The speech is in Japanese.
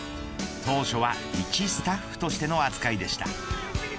当初はいちスタッフとしての扱いでした。